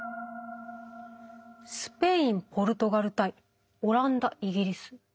スペインポルトガル対オランダイギリス。